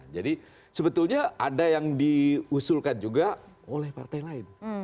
sebetulnya ada yang diusulkan juga oleh partai lain